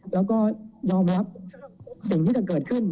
แล้วก็ยอมรับสิ่งที่จะเกิดขึ้น